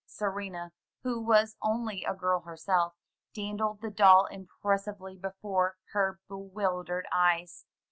Serena, who was only a girl herself, dandled the doll impres sively before her bewildered eyes.